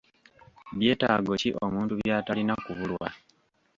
Byetaago ki omuntu by'atalina kubulwa?